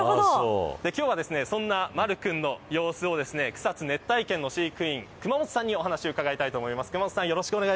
今日は、そんな、まる君の様子を草津熱帯圏の飼育員熊本さんのお話を伺いたいと思います。